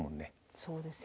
そうですよね。